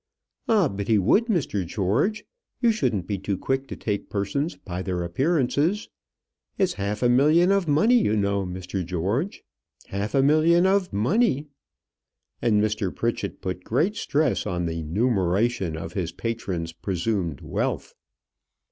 "Ah! but he would, Mr. George. You shouldn't be too quick to take persons by their appearances. It's half a million of money, you know, Mr. George; half a million of money!" And Mr. Pritchett put great stress on the numeration of his patron's presumed wealth.